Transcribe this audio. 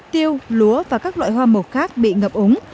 tiêu lúa và các loại hoa mộc khác bị ngập ống